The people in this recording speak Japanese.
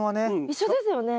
一緒ですよね？